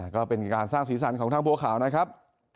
ก็เป็นการสร้างสีสันของทางบัวขาวนะครับ